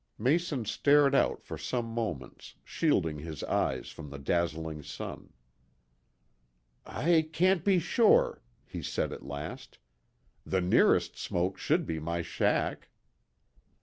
Mason stared out for some moments, shielding his eyes from the dazzling sun. "I can't be sure," he said at last. "The nearest smoke should be my shack."